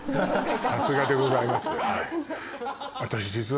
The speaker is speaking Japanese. さすがでございますはい。